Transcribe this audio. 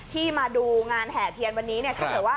ที่มาดูงานแห่เทียนวันนี้เนี่ย